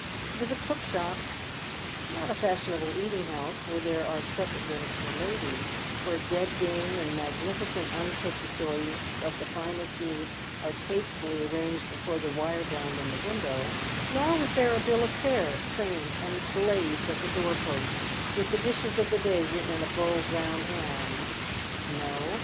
It was a cook shop — not a fashionable eating house, where there are separate rooms for ladies ; where dead game and magnificent un cooked joints of the finest meat are tastefully arranged before the wire blind in the window ; nor was there a bill of fare framed and glazed at the door post, with the dishes of the day written in a bold, round hand; no!